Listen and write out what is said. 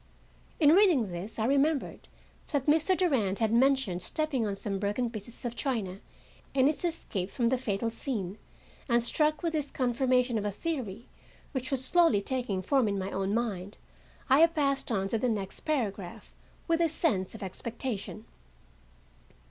In reading this I remembered that Mr. Durand had mentioned stepping on some broken pieces of china in his escape from the fatal scene, and, struck with this confirmation of a theory which was slowly taking form in my own mind, I passed on to the next paragraph, with a sense of expectation.